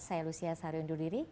saya lucia sari undur diri